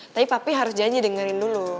tapi papi harus janji dengerin dulu